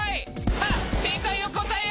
さあ正解を答えよ！